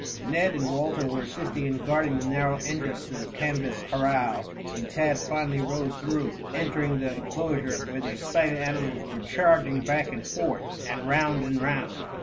Ned and Walter were assisting in guarding the narrow entrance to the canvas corral when Tad finally rode through, entering the enclosure, where the excited animals were charging back and forth and round and round.